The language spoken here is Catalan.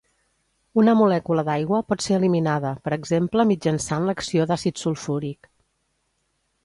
Una molècula d'aigua pot ser eliminada, per exemple mitjançant l'acció d'àcid sulfúric.